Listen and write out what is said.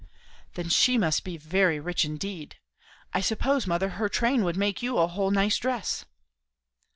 "Then she must be very rich indeed. I suppose, mother, her train would make you a whole nice dress."